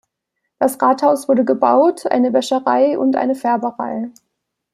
Das Rathaus wurde gebaut, eine Wäscherei und eine Färberei.